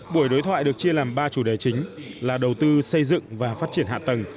buổi đối thoại được chia làm ba chủ đề chính là đầu tư xây dựng và phát triển hạ tầng